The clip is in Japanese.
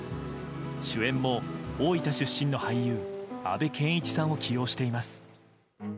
主演も大分出身の俳優安部賢一さんを起用しています。